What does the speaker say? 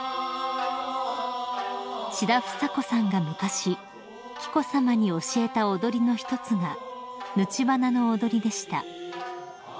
［志田房子さんが昔紀子さまに教えた踊りの一つが貫花の踊りでした］